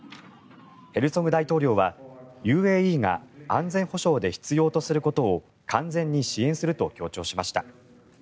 ヘルツォグ大統領はＵＡＥが安全保障で必要とすることを完全に支援すると強調しました。